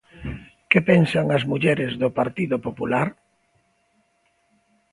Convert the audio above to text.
¿Que pensan as mulleres do Partido Popular?